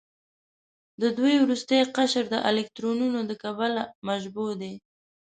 د دوی وروستی قشر د الکترونونو له کبله مشبوع دی.